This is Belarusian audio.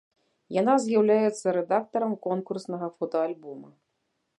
Яна з'яўляецца рэдактарам конкурснага фотаальбома.